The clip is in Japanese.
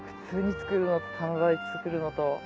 普通に作るのと棚田に作るのと。